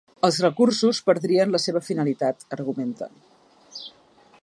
“Els recursos perdrien la seva finalitat”, argumenta.